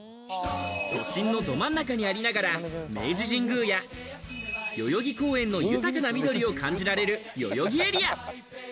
都心のど真ん中にありながら、明治神宮や代々木公園の豊かな緑を感じられる代々木エリア。